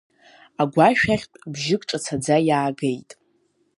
Агәашә ахьтә бжьык ҿацаӡа иаагеит.